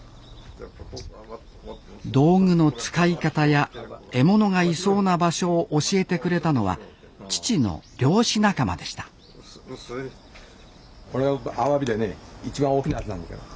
道具の使い方や獲物がいそうな場所を教えてくれたのは父の漁師仲間でしたアワビでね一番大きなやつなんですよ。